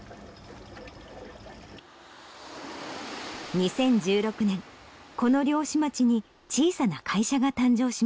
２０１６年この漁師町に小さな会社が誕生しました。